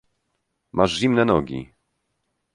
Masz zimne nogi.